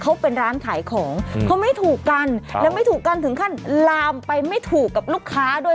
เขาเป็นร้านขายของเขาไม่ถูกกันและไม่ถูกกันถึงขั้นลามไปไม่ถูกกับลูกค้าด้วย